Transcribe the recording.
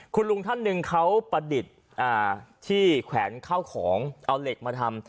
คุณลุงท่านหนึ่งเขาประดิษฐ์ที่แขวนเข้าของเอาเหล็กมาทำ